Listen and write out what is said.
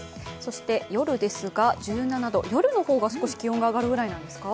夜ですが、１７度、夜の方が気温が上がるぐらいですか？